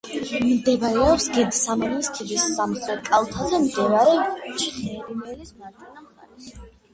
მდებარეობს გედსამანიის ქედის სამხრეთ კალთაზე, მდინარე ჩხერიმელის მარჯვენა მხარეს.